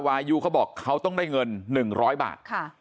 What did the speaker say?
วายูเขาบอกเขาต้องได้เงิน๑๐๐บาท